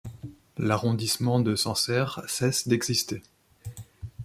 L' arrondissement de Sancerre cesse d'exister.